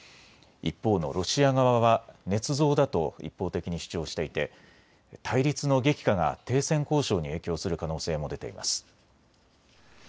一方のロシア側は、ねつ造だと一方的に主張していて対立の激化が停戦交渉に影響する可能性も出ています。